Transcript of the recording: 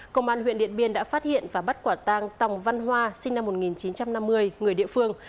công an huyện điện biên đã phát hiện và bắt quả tang tòng văn hoa sinh năm một nghìn chín trăm năm mươi người địa phương